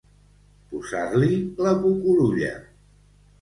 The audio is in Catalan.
Posar-li la cucurulla.